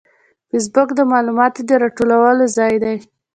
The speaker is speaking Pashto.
فېسبوک د معلوماتو د راټولولو ځای دی